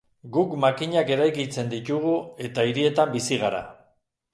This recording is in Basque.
Guk makinak eraikitzen ditugu eta hirietan bizi gara.